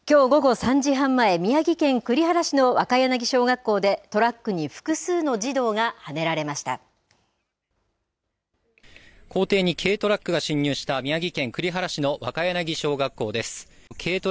きょう午後３時半前宮城県栗原市の若柳小学校でトラックに複数の児童が校庭に軽トラックが進入した宮城県栗原市の若柳小学校です。